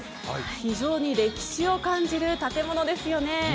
非常に歴史を感じる建物ですよね。